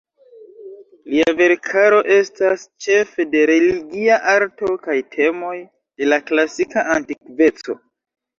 Lia verkaro estas ĉefe de religia arto kaj temoj de la klasika antikveco.